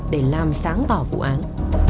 để làm sáng tỏ vụ án